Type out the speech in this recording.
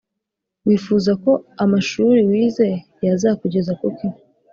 Wifuza ko amashuri wize yazakugeza ku ki